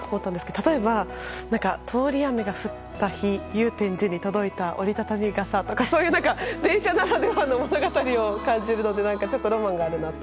例えば、通り雨が降った日祐天寺に届いた折り畳み傘とかそういう電車ならではの物語を感じるのでロマンがあるなと。